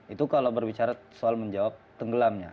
itu kalau berbicara soal menjawab tenggelamnya